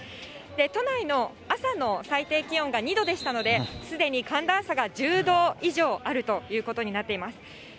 都内の朝の最低気温が２度でしたので、すでに寒暖差が１０度以上あるということになっています。